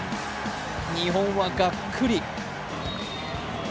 日本はがっくり。